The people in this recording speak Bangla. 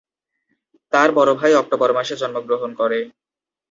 তার বড় ভাই অক্টোবর মাসে জন্মগ্রহণ করে।